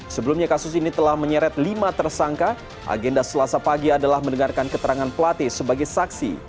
sebelumnya kasus ini telah menyeret lima tersangka agenda selasa pagi adalah mendengarkan keterangan pelatih sebagai saksi